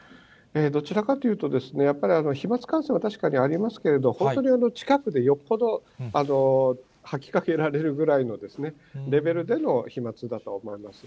どちらかというと、やっぱり飛まつ感染は確かにありますけれど、本当に近くでよっぽど吐きかけられるぐらいのレベルでの飛まつだと思います。